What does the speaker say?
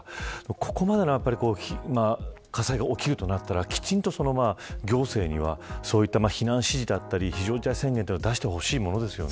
ここまでの火災が起きるとなったらきちんと行政にはそういった避難指示だったり非常事態宣言を出してほしいものですよね。